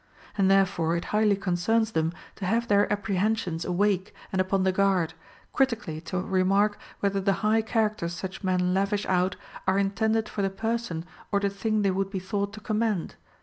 And therefore it highly concerns them to have their apprehen sions awake and upon the guard, critically to remark whether the high characters such men lavish out are in tended for the person or the thing they would be thought to commend.